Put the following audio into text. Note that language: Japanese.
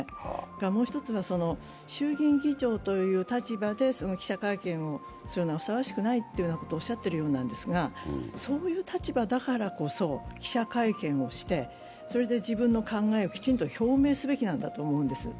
もう一つは、衆議院議長という立場記者会見をするのはふさわしくないとおっしゃっているようなんですが、そういう立場だからこそ記者会見をして、自分の考えをきちんと表明すべきなんだと思うんです。